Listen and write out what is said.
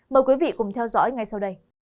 mời quý vị cùng theo dõi ngay sau đây